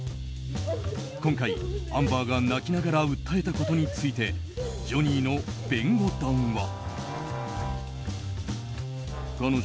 今回、アンバーが泣きながら訴えたことについてジョニーの弁護団は。